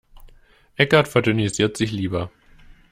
Eckhart verdünnisiert sich lieber.